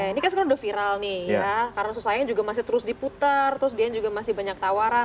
ini kan sekarang udah viral nih ya karena susah sayang juga masih terus diputer terus dian juga masih banyak tawaran